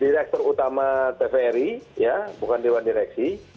direktur utama tvri ya bukan dewan direksi